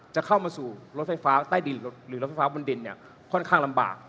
จะเข้ามาสู่รถไฟฟ้าใต้ดินหรือรถไฟฟ้าบนดินเนี่ยค่อนข้างลำบาก